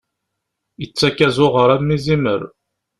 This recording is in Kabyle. Ittak azuɣer am izimer.